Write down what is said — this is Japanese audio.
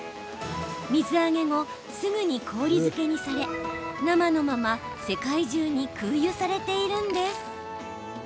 水揚げ後、すぐに氷漬けにされ生のまま世界中に空輸されているんです。